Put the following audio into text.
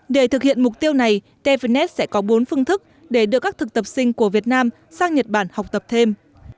để thực hiện mục tiêu này tevnet sẽ có bốn phương thức để đưa các thực tập sinh của việt nam sang nhật bản học tập thêm